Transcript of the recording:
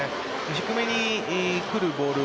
低めに来るボール。